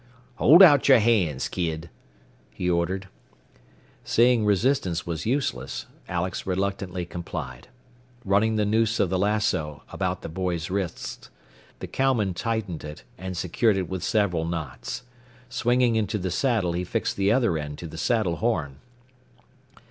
"Hold out your hands, kid!" he ordered. Seeing resistance was useless, Alex reluctantly complied. Running the noose of the lassoo about the boy's wrists, the cowman tightened it, and secured it with several knots. Swinging into the saddle, he fixed the other end to the saddle horn.